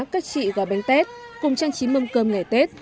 các chị gói bánh tết cùng trang trí mâm cơm ngày tết